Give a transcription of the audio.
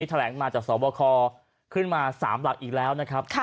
แถลงมาจากสวบคขึ้นมา๓หลักอีกแล้วนะครับ